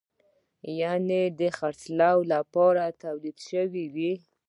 یعنې د خرڅولو لپاره تولید شوی وي.